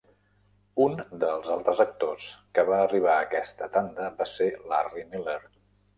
Un dels altres actors que va arribar a aquesta tanda va ser Larry Miller.